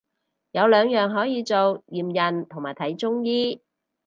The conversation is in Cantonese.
有兩樣可以做，驗孕同埋睇中醫